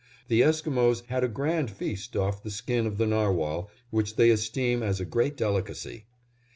The Esquimos had a grand feast off the skin of the narwhal, which they esteem as a great delicacy.